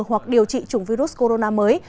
hoặc điều trị chủng virus corona mới